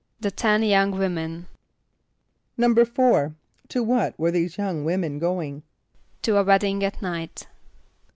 ="The Ten Young Women."= =4.= To what were these young women going? =To a wedding at night.